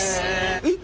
えっ？